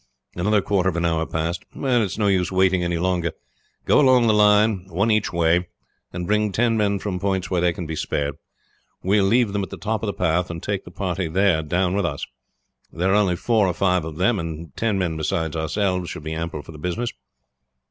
Another quarter of an hour passed. "It is no use waiting any longer. Go along the line, one each way, and bring ten men from points where they can be spared. We will leave them at the top of the path and take the party there down with us. There are only four or five of them, and ten men beside ourselves are ample for the business."